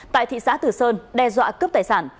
tại thị xã tử sơn đe dọa cướp tài sản